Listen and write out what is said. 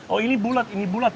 oh ini bulat ini bulat